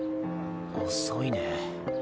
遅いね。